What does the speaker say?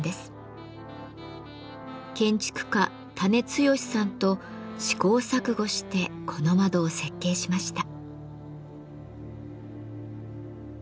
建築家田根剛さんと試行錯誤してこの窓を設計しました。